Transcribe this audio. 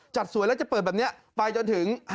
จัดสวยแล้วจะเปิดแบบนี้ไปจนถึง